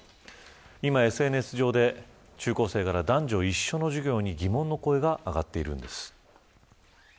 今、ＳＮＳ上で中高生から男女一緒の授業に疑問の声が上がっているんです。